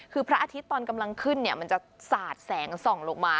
คือพระอาทิตย์ตอนกำลังขึ้นเนี่ยมันจะสาดแสงส่องลงมา